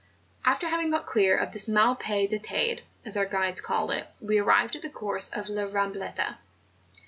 After having got clear of this mal pais del Teyde, as our guides call it, we arrived at the course of La Mam bleta.